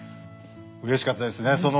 うれしかったですね。